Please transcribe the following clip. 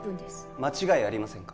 間違いありませんか？